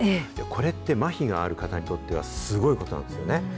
これってまひがある方にとっては、すごいことなんですよね。